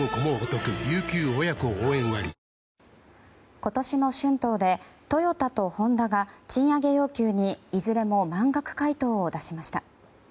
今年の春闘でトヨタとホンダが賃上げ要求にいずれも満額回答を出しました。